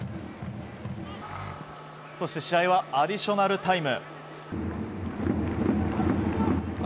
そして試合はアディショナルタイム。